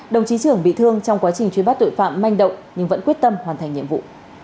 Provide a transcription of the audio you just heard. đồng chí trưởng bị thương trong quá trình truy bắt tội phạm manh động nhưng vẫn quyết tâm hoàn thành nhiệm vụ